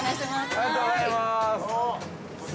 ◆ありがとうございます。